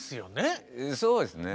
そうですね。